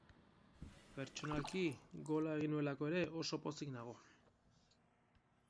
Pertsonalki, gola egin nuelako ere oso pozik nago.